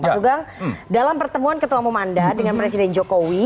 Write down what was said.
pak sugeng dalam pertemuan ketua umum anda dengan presiden jokowi